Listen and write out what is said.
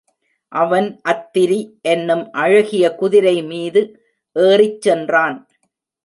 அவன் அத்திரி என்னும் அழகிய குதிரைமீது ஏறிச் சென்றான்.